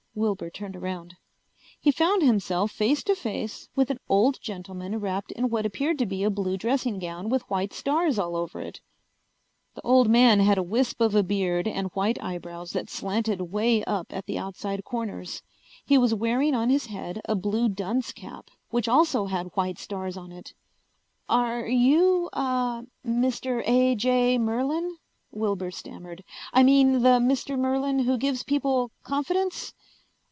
Wilbur turned around. He found himself face to face with an old gentleman wrapped in what appeared to be a blue dressing gown with white stars all over it. The old man had a wisp of a beard and white eyebrows that slanted way up at the outside corners. He was wearing on his head a blue dunce cap which also had white stars on it. "Are you uh Mr. A. J. Merlin?" Wilbur stammered. "I mean the Mr. Merlin who gives people confidence?"